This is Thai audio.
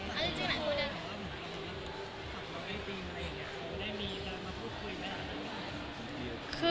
ห้องโตไหมคะห้องโตไหมคะ